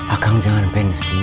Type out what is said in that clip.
akang jangan pensiun